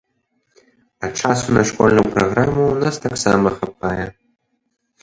А часу на школьную праграму ў нас таксама хапае.